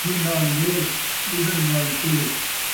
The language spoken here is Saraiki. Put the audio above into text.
کن٘دھی نال لے ، ٻڈھڑے نال ٹے